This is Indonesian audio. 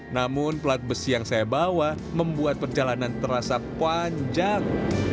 namun pelat besi yang saya bawa membuat perjalanan terasa panjang